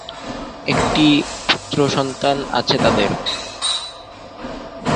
একটি পুত্রসন্তান আছে তাদের।